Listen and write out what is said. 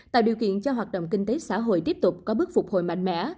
tạo điều kiện cho hoạt động kinh tế xã hội tiếp tục có bước phục hồi mạnh mẽ